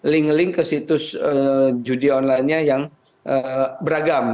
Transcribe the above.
link link ke situs judi online nya yang beragam